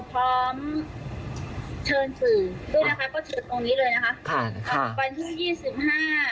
เปิดตัวโรโซพร้อมเชิญสื่อดูนะคะก็เชิญตรงนี้เลยนะคะ